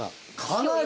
かなり！